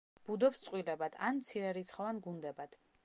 ბუდობს წყვილებად ან მცირერიცხოვან გუნდებად.